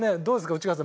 内川さん